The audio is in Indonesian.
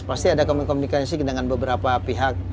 pasti ada komunikasi dengan beberapa pihak